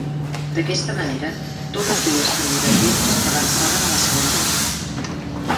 D'aquesta manera, totes dues candidatures avançaven a la segona volta.